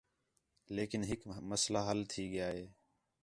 لیکن ہِک مسئلہ تھی ڳیا ہِے